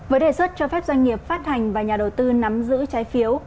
với đề xuất cho phép doanh nghiệp phát hành và nhà đầu tư nắm giữ trái phiếu